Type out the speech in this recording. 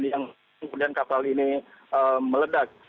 yang kemudian kapal ini meledak